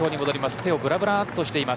手をぶらぶらしています。